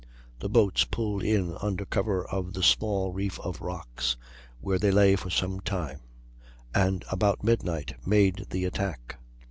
The boats pulled in under cover of a small reef of rocks, where they lay for some time, and about midnight made the attack.